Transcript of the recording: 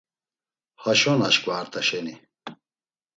Haşon aşǩva Art̆aşeni.